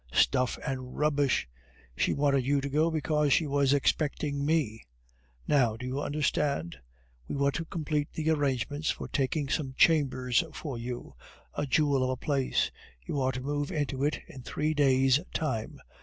Stuff and rubbish! She wanted you to go because she was expecting me! Now do you understand? We were to complete the arrangements for taking some chambers for you, a jewel of a place, you are to move into it in three days' time.